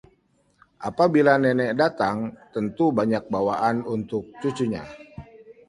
apabila nenek datang, tentu banyak bawaan untuk cucunya